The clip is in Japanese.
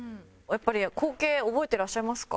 やっぱり光景覚えてらっしゃいますか？